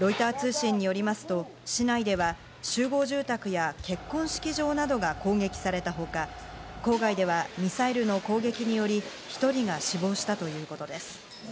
ロイター通信によりますと、市内では集合住宅や結婚式場などが攻撃されたほか、郊外ではミサイルの攻撃により、１人が死亡したということです。